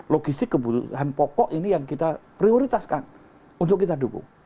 logistik kebutuhan pokok ini yang kita prioritaskan untuk kita dukung